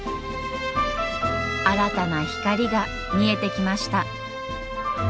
新たな光が見えてきました。